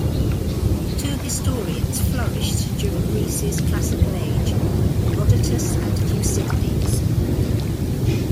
Two historians flourished during Greece's classical age: Herodotus and Thucydides.